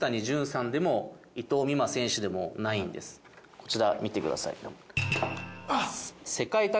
こちら見てください。